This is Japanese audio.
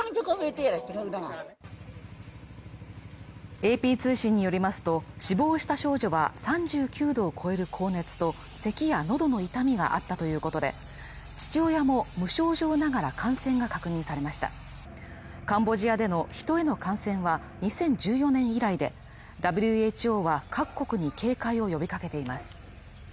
ＡＰ通信によりますと、死亡した少女は３９度を超える高熱と咳や喉の痛みがあったということで、父親も無症状ながら感染が確認されましたカンボジアでの人への感染は２０１４年以来で、ＷＨＯは各国に警戒を呼びかけています。